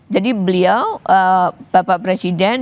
jadi beliau bapak presiden